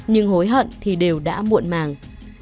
nhưng hối hận thì đều đã muộn màng